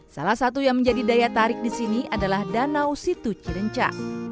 salah satu yang menjadi daya tarik di sini adalah danau situ cirenca